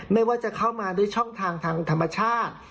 ไม่ว่าจะเข้ามาด้วยช่องทางทางธรรมชาติ